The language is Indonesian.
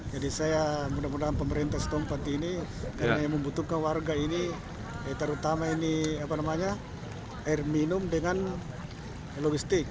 jadi saya mudah mudahan pemerintah setempat ini karena membutuhkan warga ini terutama ini air minum dengan logistik